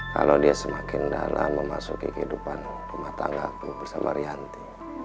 kalau dia semakin dalam memasuki kehidupan rumah tanggaku bersama rianti